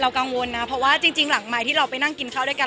กังวลนะเพราะว่าจริงหลังใหม่ที่เราไปนั่งกินข้าวด้วยกัน